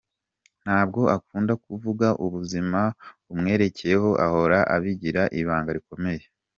Ntabwo akunda kuvuga ubuzima bumwerekeyeho ahora abigira ibanga rikomeye.